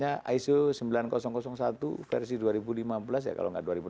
apa itu iso sembilan ribu satu persisnya